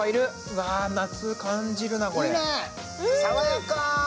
うわ、夏感じるな、これ。